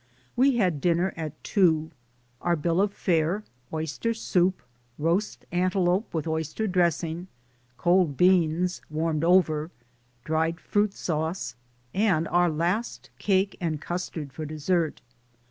We had dinner at two. Our bill of fare — oyster soup, roast antelope with oyster dressing, cold beans warmed over, dried DAYS ON THE ROAD. 131 fruit sauce, and our last cake and custard for desert.